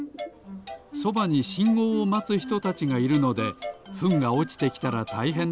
そばにしんごうをまつひとたちがいるのでフンがおちてきたらたいへんです。